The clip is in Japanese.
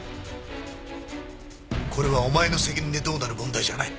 これはお前の責任でどうなる問題じゃない。